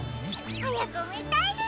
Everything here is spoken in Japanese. はやくみたいです！